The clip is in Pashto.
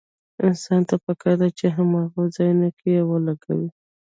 انسان ته پکار ده په هماغو ځايونو کې يې ولګوي.